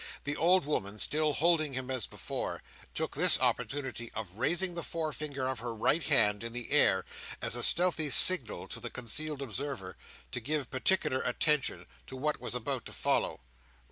The old woman, still holding him as before, took this opportunity of raising the forefinger of her right hand, in the air, as a stealthy signal to the concealed observer to give particular attention to what was about to follow.